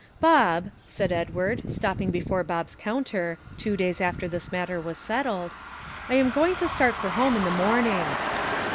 "Bob," said Edward, stopping before Bob's counter, two days after this matter was settled, "I am going to start for home in the morning."